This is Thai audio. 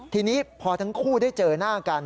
ทีนี้พอทั้งคู่ได้เจอหน้ากัน